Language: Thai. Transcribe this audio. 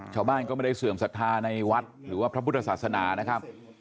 ชาวบ้านก็ไม่ได้เสื่อมศรัทธาในวัดหรือว่าพระพุทธศาสนานะครับ